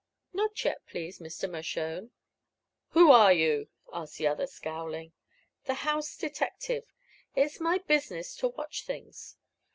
"Not yet, please, Mr. Mershone." "Who are you?" asked the other, scowling. "The house detective. It's my business to watch things.